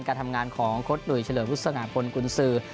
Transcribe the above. การทำงานของโค้ดหนุ่ยเฉลิมวุฒนาพลกุญสือ